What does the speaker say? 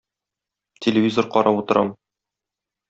Телевизор карап утырам.